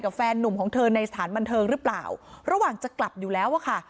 แฟนนุ่มของเธอในสถานบันเทิงหรือเปล่าระหว่างจะกลับอยู่แล้วอะค่ะ